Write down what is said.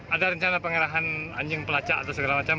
ada rencana pengerahan anjing pelacak atau segala macam